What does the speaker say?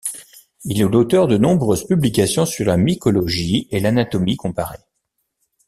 Il est l'auteur de nombreuses publications sur la mycologie et l'anatomie comparée.